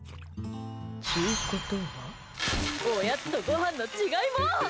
ちゅうことはおやつとごはんの違いも。